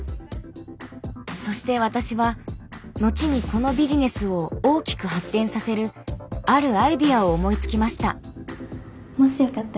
そして私は後にこのビジネスを大きく発展させるあるアイデアを思いつきました。